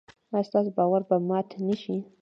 ایا ستاسو باور به مات نشي؟